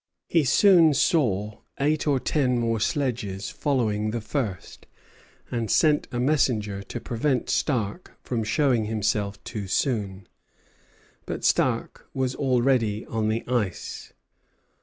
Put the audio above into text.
He soon saw eight or ten more sledges following the first, and sent a messenger to prevent Stark from showing himself too soon; but Stark was already on the ice.